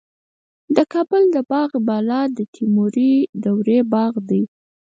د کابل د باغ بالا د تیموري دورې باغ دی